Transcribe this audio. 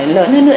lớn hơn nữa